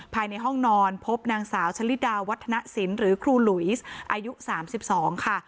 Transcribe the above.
ภายในห้องนอนพบนางสาวชะลิดาวัฒนสินหรือครูลุยส์อายุสามสิบสองค่ะ